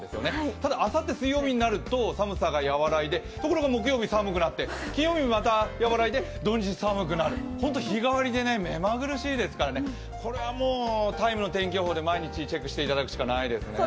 ただ水曜日になると寒さが和らいで、ところが木曜日寒くなって金曜日また和らいで、土日寒くなる、日替わりで目まぐるしいですからね、これはもう、「ＴＩＭＥ」の天気予報で毎日チェックしていただくしかないですね。